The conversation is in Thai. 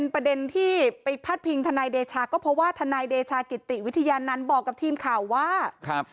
พอเดี๋ยวนั้นบอกกับทีมข่าวว่า